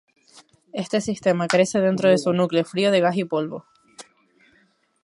Este sistema crece dentro de su núcleo frío de gas y polvo.